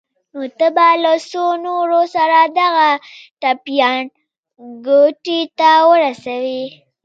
نو ته به له څو نورو سره دغه ټپيان کوټې ته ورسوې.